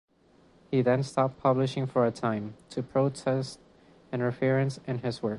He then stopped publishing for a time, to protest interference in his work.